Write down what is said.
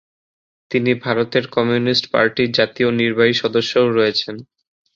তিনি ভারতের কমিউনিস্ট পার্টির জাতীয় নির্বাহী সদস্যও রয়েছেন।